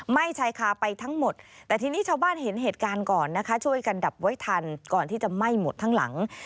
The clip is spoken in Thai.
ชายคาไปทั้งหมดแต่ทีนี้ชาวบ้านเห็นเหตุการณ์ก่อนนะคะช่วยกันดับไว้ทันก่อนที่จะไหม้หมดทั้งหลัง